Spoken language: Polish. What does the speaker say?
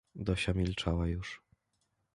"Dosia milczała już."